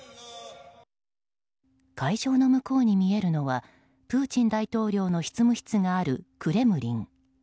会場の向こうに見えるのはプーチン大統領の執務室があるクレムリン。